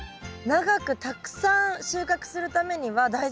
長くたくさん収穫するための極意